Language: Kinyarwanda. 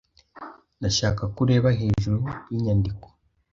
Ndashaka ko ureba hejuru yinyandiko.